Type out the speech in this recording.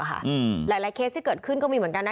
หลายเคสที่เกิดขึ้นก็มีเหมือนกันนะ